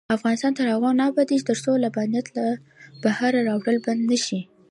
افغانستان تر هغو نه ابادیږي، ترڅو لبنیات له بهره راوړل بند نشي.